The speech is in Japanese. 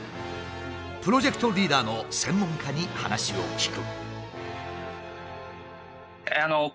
プロジェクトリーダーの専門家に話を聞く。